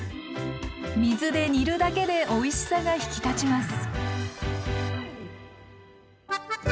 水で煮るだけでおいしさが引き立ちます。